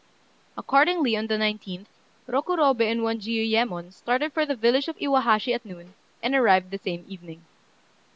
Accordingly, on the 19th, Rokurobei and one Jiuyémon started for the village of Iwahashi at noon, and arrived the same evening.